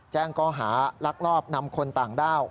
แจ้งข้อหารักรอบนำคนต่างด้าว